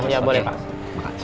ya boleh pak